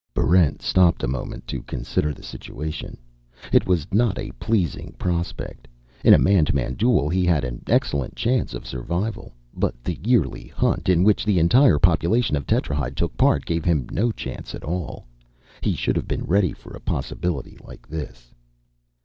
Barrent stopped a moment to consider the situation. It was not a pleasing prospect. In a man to man duel he had an excellent chance of survival. But the yearly Hunt, in which the entire population of Tetrahyde took part, gave him no chance at all. He should have been ready for a possibility like this.